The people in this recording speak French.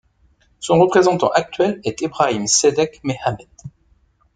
Son représentant actuel est Ebrahim Sedeq Mehamed.